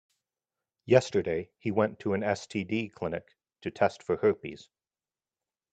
Yesterday, he went to an STD clinic to test for herpes.